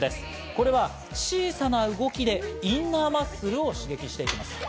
これは小さな動きでインナーマッスルを刺激していきます。